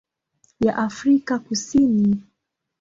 ya Afrika Kusini.